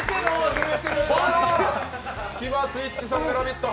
スキマスイッチさんが「ラヴィット！」